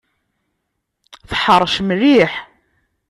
Teḥṛec mliḥ.